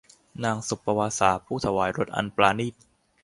นางสุปปวาสา ผู้ถวายรสอันปราณีต